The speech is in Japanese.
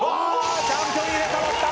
チャンピオン入れ代わった。